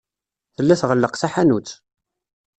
Tella tɣelleq taḥanut.